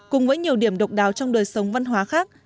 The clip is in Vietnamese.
cùng với nhiều điểm độc đáo trong đời sống văn hóa khác